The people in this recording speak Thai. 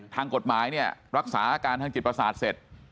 ทางกฎหมายเนี่ยรักษาอาการทางจิตประสาทเสร็จ